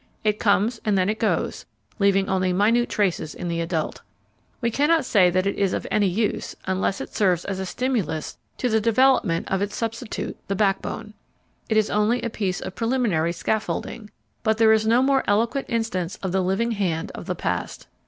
It comes and then it goes, leaving only minute traces in the adult. We cannot say that it is of any use, unless it serves as a stimulus to the development of its substitute, the backbone. It is only a piece of preliminary scaffolding, but there is no more eloquent instance of the living hand of the past.